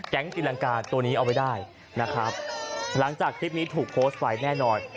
ตีรังกาตัวนี้เอาไว้ได้นะครับหลังจากคลิปนี้ถูกโพสต์ไปแน่นอน